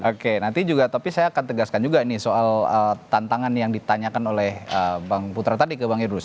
oke nanti juga tapi saya akan tegaskan juga nih soal tantangan yang ditanyakan oleh bang putra tadi ke bang idrus